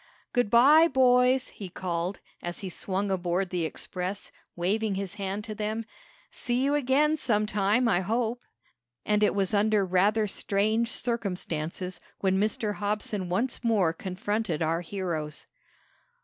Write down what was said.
"Good bye, boys!" he called, as he swung aboard the express, waving his hand to them. "See you again some time, I hope." And it was under rather strange circumstances when Mr. Hobson once more confronted our heroes.